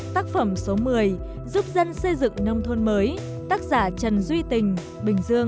tác phẩm số một mươi giúp dân xây dựng nông thôn mới tác giả trần duy tình bình dương